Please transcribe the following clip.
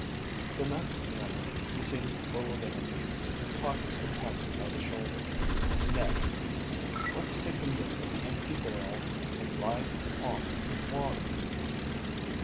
The next minute he seemed full of energy, and caught his companion by the shoulder. "Ned," he said, "let's take the mule with the empty barrels, and ride on to get water."